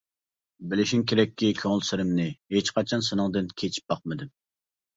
بىلىشىڭ كېرەككى كۆڭۈل سىرىمنى، ھېچقاچان سېنىڭدىن كېچىپ باقمىدىم.